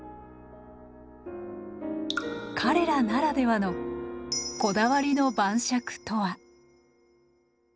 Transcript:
彼らならではのこだわりの晩酌とは？